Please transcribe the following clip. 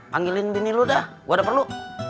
panggilin bini lu dah gue ada perlu